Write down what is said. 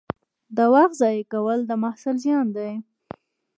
د وخت ضایع کول د محصل زیان دی.